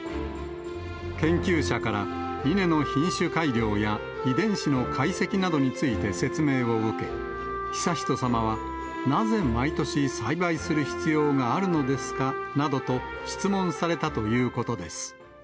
研究者から稲の品種改良や、遺伝子の解析などについて説明を受け、悠仁さまは、なぜ毎年栽培する必要があるのですかなどと質問されたということです。